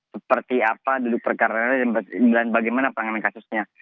seperti apa bagaimana perangkat kasusnya